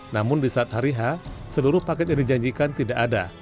namun di saat hari h seluruh paket yang dijanjikan tidak ada